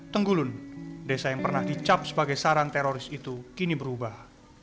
tenggulun desa yang pernah dicap sebagai saran teroris itu kini berubah